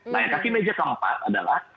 nah kaki meja keempat adalah